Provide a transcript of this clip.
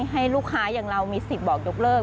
ให้ลูกค้าอย่างเรามีสิทธิ์บอกยกเลิก